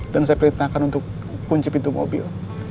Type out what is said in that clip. dan saya perintahkan untuk kunci pintu mobil